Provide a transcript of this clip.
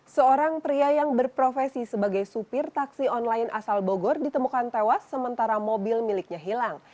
seorang pria yang berprofesi sebagai supir taksi online asal bogor ditemukan tewas sementara mobil miliknya hilang